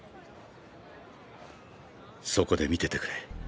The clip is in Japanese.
そこで見ててくれ。